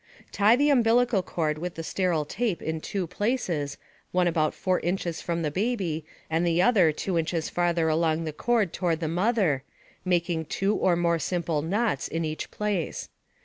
Tie the umbilical cord with the sterile tape in two places, one about 4 inches from the baby and the other 2 inches farther along the cord toward the mother, making two or more simple knots at each place.